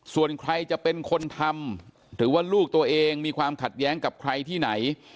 ส่วนใครจะเป็นคนทำหรือว่าลูกตัวเองมีความขัดแย้งกับใครที่ไหน